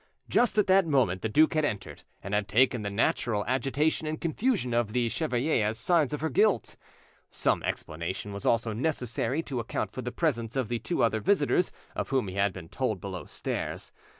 Just at that moment the duke had entered, and had taken the natural agitation and confusion of the chevalier as signs of her guilt. Some explanation was also necessary to account for the presence of the two other visitors of whom he had been told below stairs.